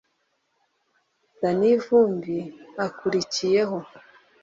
Danny Vumbi akurikiyeho